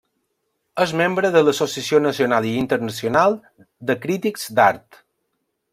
És membre de l'Associació Nacional i Internacional de Crítics d'Art.